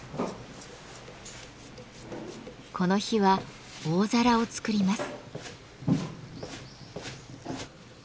この日は大皿を作ります。